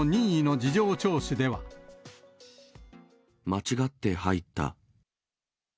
間違って入った。